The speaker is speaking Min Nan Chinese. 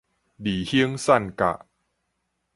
裂胸散甲